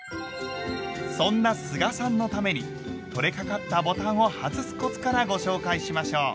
そんな須賀さんのために取れかかったボタンを外すコツからご紹介しましょう。